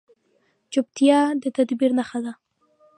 چپتیا، د تدبیر نښه ده.